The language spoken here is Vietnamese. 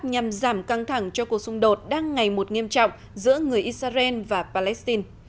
nhằm giảm căng thẳng cho cuộc xung đột đang ngày một nghiêm trọng giữa người israel và palestine